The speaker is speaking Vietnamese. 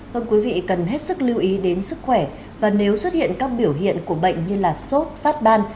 vâng quý vị cần hết sức lưu ý đến sức khỏe và nếu xuất hiện các biểu hiện của bệnh như sốt phát ban